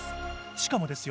しかもですよ